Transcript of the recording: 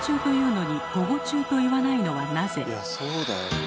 いやそうだよねえ。